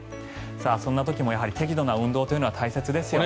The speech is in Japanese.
そんな時も適度な運動は大切ですよね。